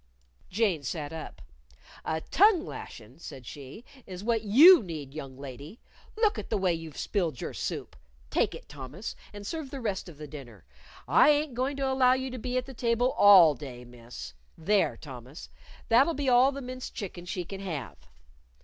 Jane sat up. "A tongue lashin'," said she, "is what you need, young lady. Look at the way you've spilled your soup! Take it, Thomas, and serve the rest of the dinner, I ain't goin' to allow you to be at the table all day, Miss.... There, Thomas! That'll be all the minced chicken she can have."